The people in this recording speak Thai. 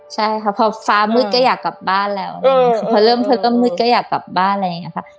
ใช่ค่ะพอฟ้ามืดก็อยากกลับบ้านแล้วพอเริ่มเธอก็มืดก็อยากกลับบ้านอะไรอย่างนี้ค่ะ